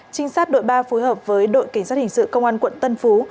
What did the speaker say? trinh sát đội ba phối hợp với đội cảnh sát hình sự công an quận tân phú